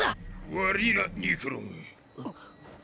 悪いなニクロム。